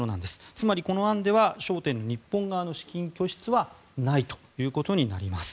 つまりこの案では焦点の日本側の資金拠出はないということになります。